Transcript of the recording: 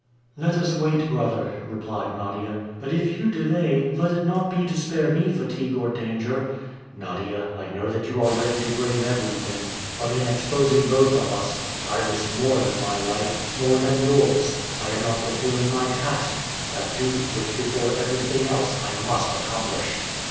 "Let us wait, brother," replied Nadia; "but if you delay, let it not be to spare me fatigue or danger." "Nadia, I know that you are ready to brave everything, but, in exposing both of us, I risk more than my life, more than yours, I am not fulfilling my task, that duty which before everything else I must accomplish."